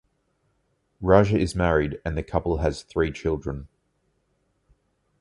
Raja is married and the couple has three children.